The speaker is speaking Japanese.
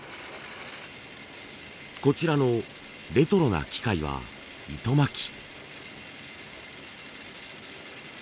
こちらのレトロな機械は糸巻き。